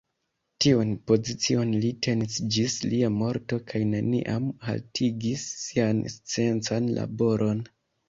Tiun pozicion li tenis ĝis lia morto kaj neniam haltigis sian sciencan laboron.